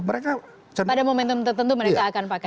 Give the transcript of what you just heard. mereka pada momentum tertentu mereka akan pakai